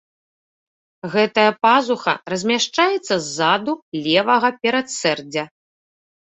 Гэтая пазуха размяшчаецца ззаду левага перадсэрдзя.